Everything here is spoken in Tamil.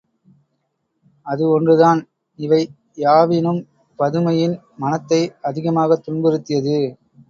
அது ஒன்று தான், இவை யாவினும் பதுமையின் மனத்தை அதிகமாகத் துன்புறுத்தியது.